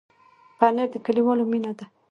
پنېر د کلیوالو مینه ده.